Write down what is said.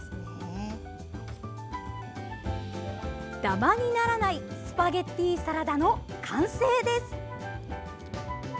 ダマにならないスパゲッティサラダの完成です。